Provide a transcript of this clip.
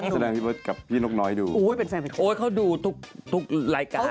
ขอบใจอย่างนุ่งโอ๊ยเป็นแฟนไหมโอ๊ยเขาดูทุกรายการ